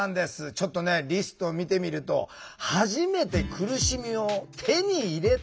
ちょっとねリストを見てみると「はじめて苦しみを手に入れた」。